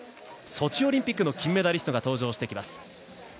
ソチオリンピック金メダリストが登場してきます。